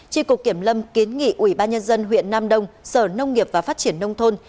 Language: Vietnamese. tri cục kiểm lâm kiến nghị ủy ban nhân dân huyện nam đông sở nông nghiệp và phát triển nông thôn